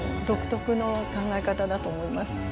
独特の考え方だと思います。